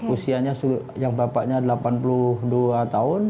usianya yang bapaknya delapan puluh dua tahun